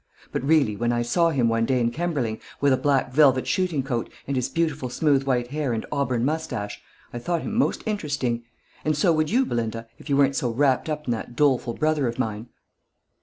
But really, when I saw him one day in Kemberling, with a black velvet shooting coat, and his beautiful smooth white hair and auburn moustache, I thought him most interesting. And so would you, Belinda, if you weren't so wrapped up in that doleful brother of mine."